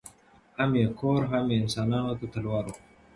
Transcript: هم یې کور هم انسانانو ته تلوار وو